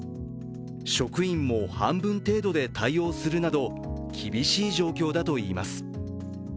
職員も半分程度で対応するなど、厳しい状況だといいます。